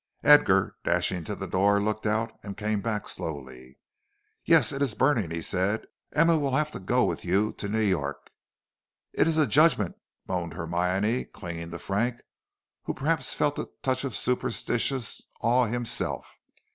Edgar, dashing to the door, looked out, and came slowly back. "Yes, it is burning," said he. "Emma will have to go with you to New York." "It is a judgment," moaned Hermione, clinging to Frank, who perhaps felt a touch of superstitious awe himself.